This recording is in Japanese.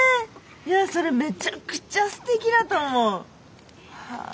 それめちゃくちゃすてきだと思う。はあ。